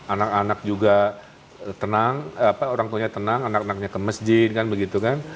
anak anak juga tenang orang tuanya tenang anak anaknya ke masjid kan begitu kan